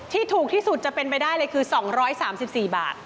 ถูกที่สุดจะเป็นไปได้เลยคือ๒๓๔บาท